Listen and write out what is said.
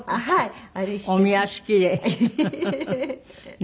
はい。